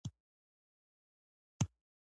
آیا د چرګانو واکسین تولیدیږي؟